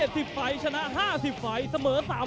สวัสดีครับ